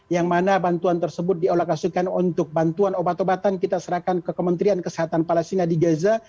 yang mana bantuan tersebut diolokasikan untuk bantuan obat obatan kita serahkan ke kementerian kesehatan palestina di gaza